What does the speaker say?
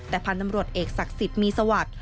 แต่พันธ์ตำรวจเอกศักดิ์สิทธิ์มีสวัสดิ์